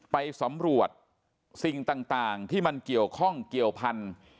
ไปสำรวจสิ่งต่างที่มันเกี่ยวข้องเกี่ยวพันธุ์